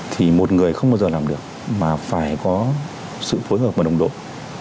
thì một người không bao giờ làm được mà phải có sự phối hợp và đồng đội